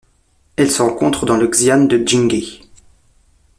Elle se rencontre dans le xian de Jinghe.